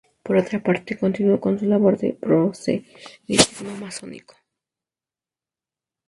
Por otra parte, continuó con su labor de proselitismo masónico.